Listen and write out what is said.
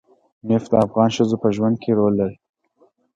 نفت د افغان ښځو په ژوند کې رول لري.